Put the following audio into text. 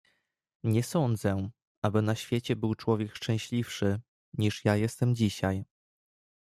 "Nie sadzę, aby na świecie był człowiek szczęśliwszy, niż ja jestem dzisiaj."